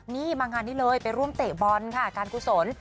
นี่มางานนี้เลยไปร่วมเตะบอลค่ะการกุศล